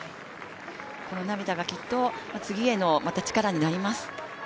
この涙がきっとまた次への力になります。